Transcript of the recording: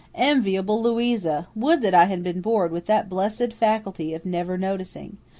"Enviable Louisa! Would that I had been born with that blessed faculty of never noticing!